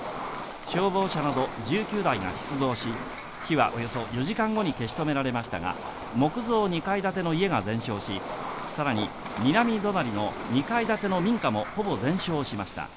消防車など１９台が出動し、火はおよそ４時間後に消し止められましたが、木造２階建ての家が全焼し、さらに南隣の２階建ての民家もほぼ全焼しました。